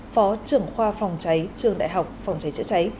phó trưởng khoa phòng cháy trường đại học phòng cháy chữa cháy